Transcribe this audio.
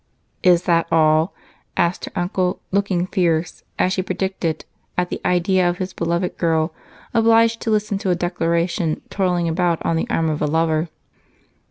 "Is that all?" asked her uncle, looking "fierce," as she predicted, at the idea of his beloved girl obliged to listen to a declaration, twirling on the arm of a lover.